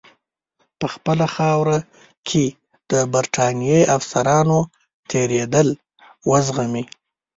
په خپله خاوره کې د برټانیې افسرانو تېرېدل وزغمي.